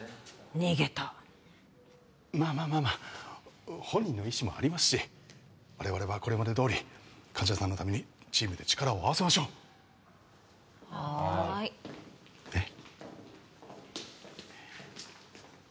逃げたまあまあまあまあ本人の意思もありますし我々はこれまでどおり患者さんのためにチームで力を合わせましょうはいえっ？